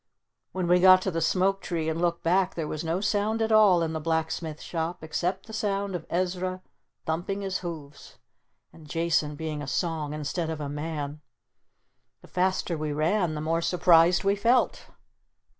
When we got to the Smoke Tree and looked back there was no sound at all in the Blacksmith Shop except the sound of Ezra thumping his hoofs. And Jason being a Song instead of a man! The faster we ran the more surprised we felt.